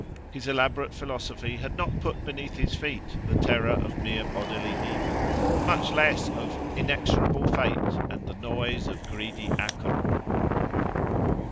His elaborate philosophy had not put beneath his feet the terror of mere bodily evil; much less of "inexorable fate, and the noise of greedy Acheron."